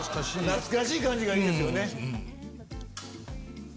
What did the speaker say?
懐かしい感じがいいですよね。